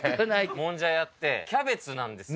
もんじゃ屋ってキャベツなんですよ。